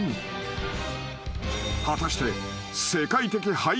［果たして］